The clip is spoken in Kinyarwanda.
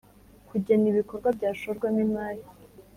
Kugena ibikorwa byashorwamo imari